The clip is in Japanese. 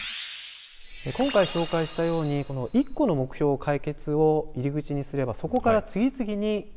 今回紹介したようにこの一個の目標解決を入り口にすればそこから次々になるほどね。